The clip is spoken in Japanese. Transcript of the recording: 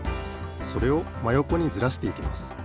それをまよこにずらしていきます。